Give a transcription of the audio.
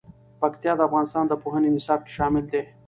پکتیا د افغانستان د پوهنې نصاب کې شامل دي.